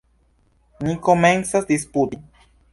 Ni komencas disputi.